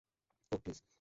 Oh, please.